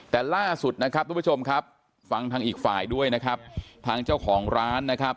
แต่ล่าสุดนะครับทุกผู้ชมครับฟังทางอีกฝ่ายด้วยนะครับทางเจ้าของร้านนะครับ